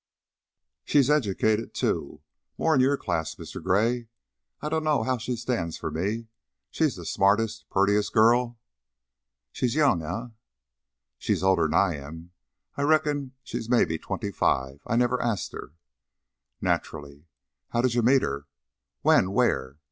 "She's educated, too more in your class, Mr. Gray. I dunno how she stands for me. She's the smartest, purtiest girl " "She's young, eh?" "She's older 'n I am. I reckon she's mebbe twenty five. I never ast her." "Naturally. How did you meet her? When? Where?